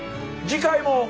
次回も。